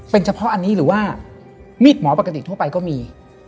เป็นเฉพาะอันนี้หรือว่ามีดหมอปกติทั่วไปก็มี